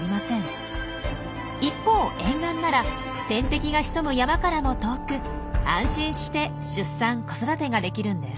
一方沿岸なら天敵が潜む山からも遠く安心して出産・子育てができるんです。